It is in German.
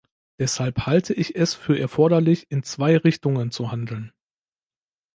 Deshalb halte ich es für erforderlich, in zwei Richtungen zu handeln.